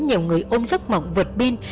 nhiều người ôm giấc mộng vượt pin